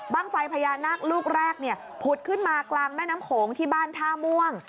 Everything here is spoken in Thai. ไฟพญานาคลูกแรกเนี่ยผุดขึ้นมากลางแม่น้ำโขงที่บ้านท่าม่วง